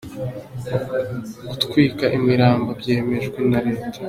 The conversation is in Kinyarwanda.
Gutwika imirambo byemejwe na leta